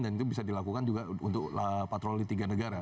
dan itu bisa dilakukan juga untuk patroli tiga negara